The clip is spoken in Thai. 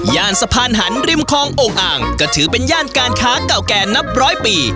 สะพานหันริมคลองโอ่งอ่างก็ถือเป็นย่านการค้าเก่าแก่นับร้อยปี